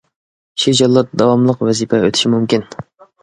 شى جاللات داۋاملىق ۋەزىپە ئۆتىشى مۇمكىن .